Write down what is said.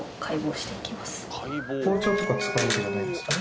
包丁とか使うわけじゃないんですかね？